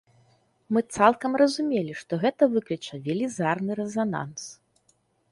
Мы цалкам разумелі, што гэта выкліча велізарны рэзананс.